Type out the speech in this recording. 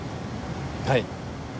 はい。